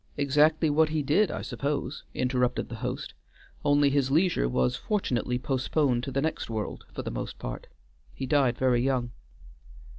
"Exactly what he did, I suppose," interrupted the host. "Only his leisure was fortunately postponed to the next world, for the most part; he died very young."